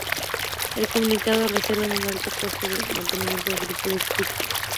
El comunicado rezaba un alto costo de mantenimiento al grupo de scripts.